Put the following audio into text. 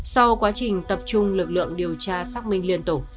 sau quá trình tập trung lực lượng điều tra xác minh liên tục